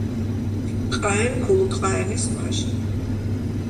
ყაენ ქულუგ-ყაენის ვაჟი.